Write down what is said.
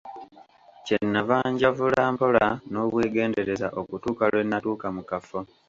Kyenava njavula mpola n'obwegendereza okutuuka lwe natuuka mu kafo.